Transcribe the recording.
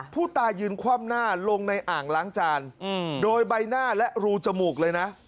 ผู้ตายยืนคว่ำหน้าลงในอ่างล้างจานโดยใบหน้าและรูจมูกเลยนะ